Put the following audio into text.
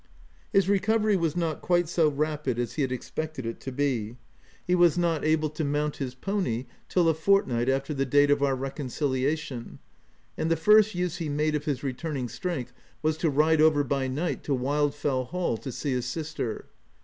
His recovery was not quite so rapid as he had expected it to be : he was not able to i 2 1/2 THE TENANT mount his pony till a fortnight after the date of our reconciliation ; and the first use he made of hi3 returning strength, was to ride over by night to Wildfell Hall, to see his sister.